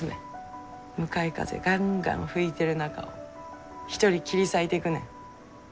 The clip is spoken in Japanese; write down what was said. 向かい風ガンガン吹いてる中を一人切り裂いていくねん。